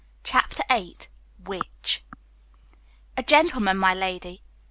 Chapter VIII WHICH? "A Gentleman, my lady."